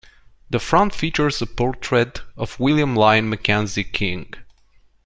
The front features a portrait of William Lyon Mackenzie King.